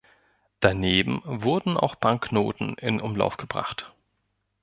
Daneben wurden auch Banknoten in Umlauf gebracht.